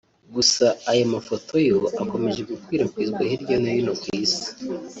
gusa aya mafoto yo akomeje gukwirakwizwa hirya no hino ku Isi